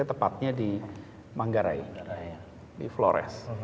tepatnya di manggarai di flores